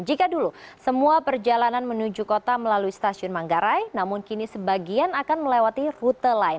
jika dulu semua perjalanan menuju kota melalui stasiun manggarai namun kini sebagian akan melewati rute lain